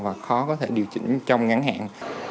và khó có thể điều chỉnh trong ngắn hạn